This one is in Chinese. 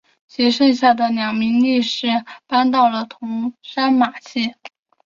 其剩下的两名力士搬到了桐山马厩。